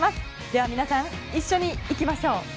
では皆さん一緒にいきましょう。